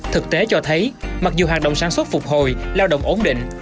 thực tế cho thấy mặc dù hoạt động sản xuất phục hồi lao động ổn định